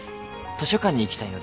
図書館に行きたいので。